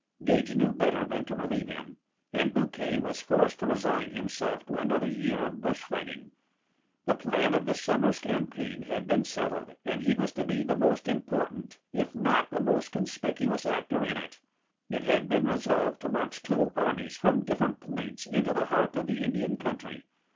Gage knew better than to relieve him, and Bouquet was forced to resign himself to another year of bush fighting. The plan of the summer's campaign had been settled; and he was to be the most important, if not the most conspicuous, actor in it. It had been resolved to march two armies from different points into the heart of the Indian country.